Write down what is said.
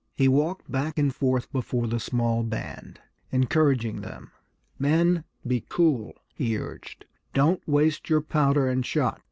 He walked back and forth before the small band, encouraging them. "Men, be cool!" he urged. "Don't waste your powder and shot!